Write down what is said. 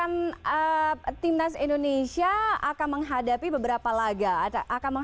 ada muslimin temen juga berhadapan dengan perjanjiandz adesso